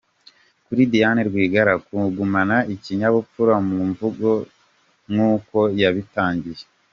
Kuri Diane Rwigara: Kugumana ikinyabupfura mu mvugo nk’uko yabitangiye.